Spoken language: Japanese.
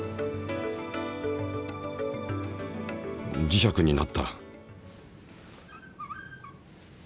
磁石になった。